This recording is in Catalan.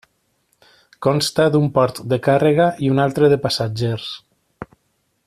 Consta d'un port de càrrega i un altre de passatgers.